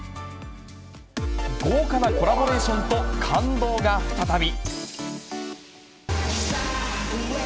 豪華なコラボレーションと感動が再び。